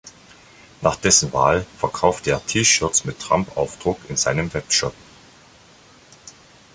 Nach dessen Wahl verkaufte er T-Shirts mit Trump-Aufdruck in seinem Webshop.